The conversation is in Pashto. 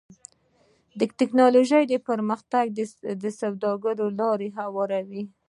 د ټکنالوجۍ پرمختګ د سوداګرۍ لاره هواروي.